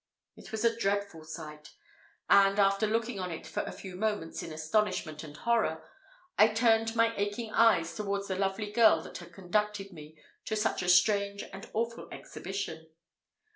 It was a dreadful sight; and, after looking on it for a few moments in astonishment and horror, I turned my aching eyes towards the lovely girl that had conducted me to such a strange and awful exhibition.